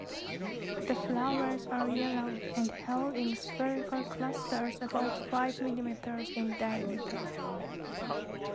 The flowers are yellow, and held in spherical clusters about five millimetres in diameter.